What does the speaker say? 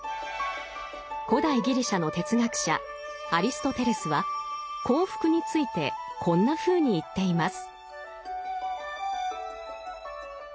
古代ギリシャの哲学者アリストテレスは幸福についてこんなふうに言っています。